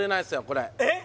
これえっ！